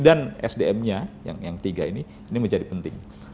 dan sdm nya yang tiga ini menjadi penting